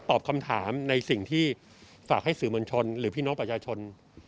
ตอบคำถามในสิ่งที่ฝากให้สื่อมวลชนหรือพี่น้องประชาชน